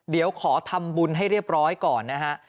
เดี๋ยวขอทำบุญให้เรียบร้อยก่อนนะฮะ